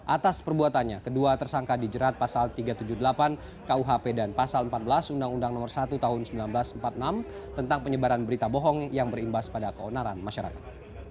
atas perbuatannya kedua tersangka dijerat pasal tiga ratus tujuh puluh delapan kuhp dan pasal empat belas undang undang nomor satu tahun seribu sembilan ratus empat puluh enam tentang penyebaran berita bohong yang berimbas pada keonaran masyarakat